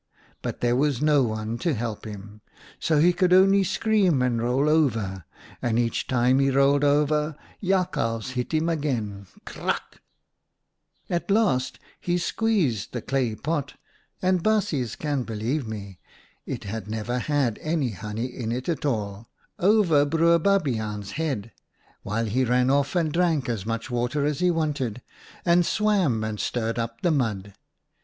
But there was no one to help him, so he could only scream and roll over, and each time he rolled over, Jakhals hit him again — kraaks !" At last he squeezed the clay pot — and baasjes can believe me it had never had any honey in it at all — over Broer Babiaan's THE ANIMALS' DAM 99 head, while he ran off and drank as much water as he wanted, and swam, and stirred up the mud.